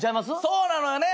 そうなのよね。